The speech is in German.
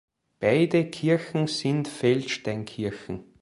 Beide Kirchen sind Feldsteinkirchen.